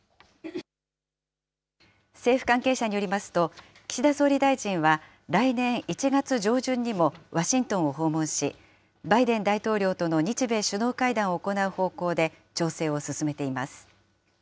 政府関係者によりますと、岸田総理大臣は来年１月上旬にもワシントンを訪問し、バイデン大統領との日米首脳会談を行う方向で調整を進めています。